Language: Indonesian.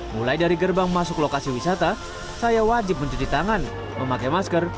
mulai dari gerbang masuk lokasi wisata saya wajib mencuci tangan memakai masker